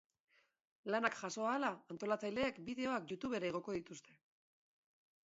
Lanak jaso ahala antolatzaileek bideoak youtubera igoko dituzte.